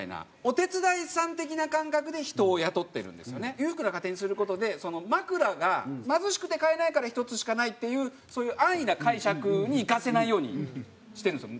裕福な家庭にする事で枕が貧しくて買えないから１つしかないっていう安易な解釈にいかせないようにしてるんですよ。